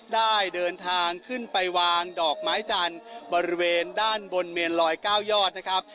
ได้เดินทางขึ้นไปวางดอกไม้จันทร์บริเวณด้านบนเมนลอย๙ยอดนะครับ